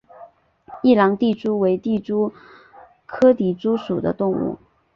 异囊地蛛为地蛛科地蛛属的动物。